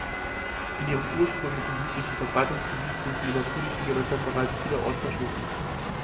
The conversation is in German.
In ihrem ursprünglichen südlichen Verbreitungsgebiet sind sie in natürlichen Gewässern bereits vielerorts verschwunden.